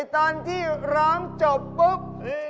ตอนที่ร้องจบปุ๊บ